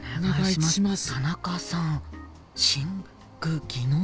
田中さん寝具技能。